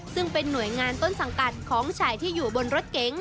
ซึ่งเป็นหน่วยงานต้นสังกัดของชายที่อยู่บนรถเก๋ง